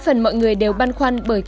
mẹ con đi bán hàng rồi ạ